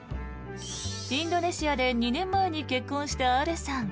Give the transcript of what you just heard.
インドネシアで２年前に結婚したアルさん。